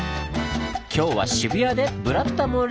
今日は渋谷で「ブラタモリ」！